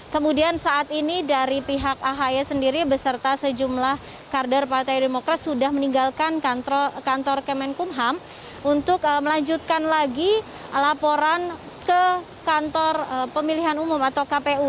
kemudian saat ini dari pihak ahy sendiri beserta sejumlah kader partai demokrat sudah meninggalkan kantor kemenkumham untuk melanjutkan lagi laporan ke kantor pemilihan umum atau kpu